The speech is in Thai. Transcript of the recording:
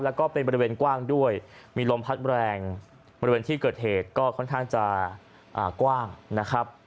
แล้วก็เป็นบริเวณกว้างด้วยมีลมพัดแรงบริเวณที่เกิดเหตุก็ค่อนข้างจะกว้างนะครับ